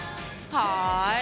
はい。